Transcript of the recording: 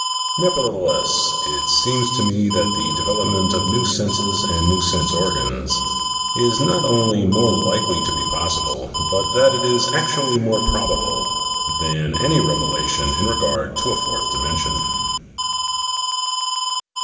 Nevertheless, it seems to me that the development of new senses and new sense organs is not only more likely to be possible, but that it is actually more probable, than any revelation in regard to a fourth dimension.